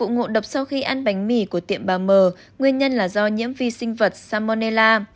ngộ độc sau khi ăn bánh mì của tiệm bà m nguyên nhân là do nhiễm vi sinh vật salmonella